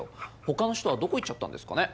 他の人はどこ行っちゃったんですかね？